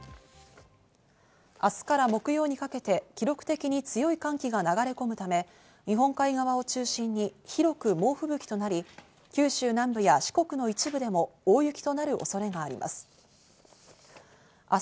明日から木曜にかけて、記録的に強い寒気が流れ込むため、日本海側を中心に広く猛吹雪となり、九州南部や四国の一部でも大雪となる恐れがあります。